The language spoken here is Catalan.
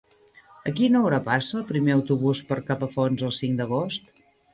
A quina hora passa el primer autobús per Capafonts el cinc d'agost?